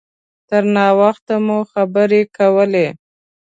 تر ناوخته مو خبرې کولې.